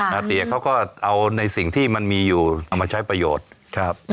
นับเป็นเตี๋ยเขาก็เอาในสิ่งที่มันมีอยู่เอามาใช้ประโยชน์